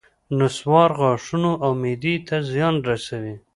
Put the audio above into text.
نصوار غاښونو او معدې ته زیان رسوي